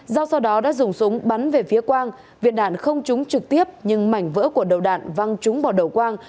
giao sau đó đã dùng súng bắn về phía quang viên đạn không trúng trực tiếp nhưng mảnh vỡ của đầu đạn văng trúng vào đầu quang